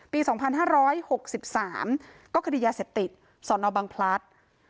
ปี๒๕๖๓ก็คดียาเสพติดสอนอบังพลัด